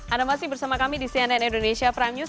anda masih bersama kami di cnn indonesia prime news